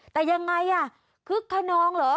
แต่ยังไงคือคะน้องเหรอ